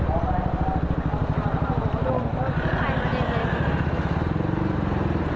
น้ำมันอะไรเยี่ยมวะ